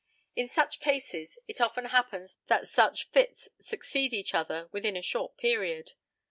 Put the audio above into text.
In such cases it often happens that such fits succeed each other within a short period.